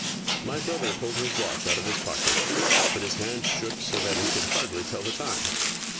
My brother pulled his watch out of his pocket, but his hand shook so that he could hardly tell the time.